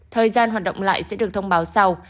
thời gian hoạt động lại sẽ được thông báo sau